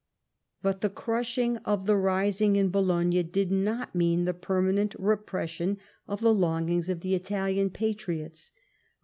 But the crushing of the rising in Bologna did not mean the permanent repression of the longings of the Italian ])atriots.